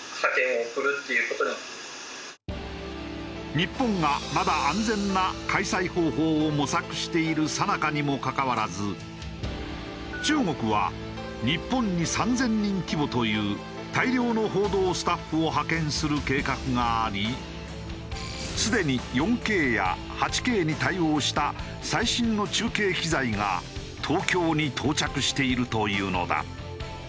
日本がまだ安全な開催方法を模索しているさなかにもかかわらず中国は日本に３０００人規模という大量の報道スタッフを派遣する計画がありすでに４Ｋや８Ｋに対応した最新の中継機材が東京に到着しているというのだ。